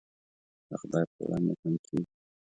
د خدای په وړاندې هم کېږي.